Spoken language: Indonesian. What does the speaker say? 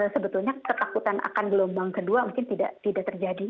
sebetulnya ketakutan akan gelombang kedua mungkin tidak terjadi